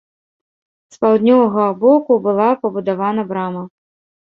З паўднёвага боку была пабудавана брама.